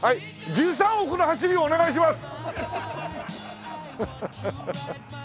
１３億の走りをお願いします！